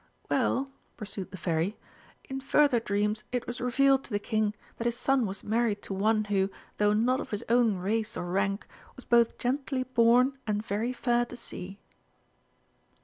"Well," pursued the Fairy, "in further dreams it was revealed to the King that his son was married to one, who, though not of his own race or rank, was both gently born and very fair to see."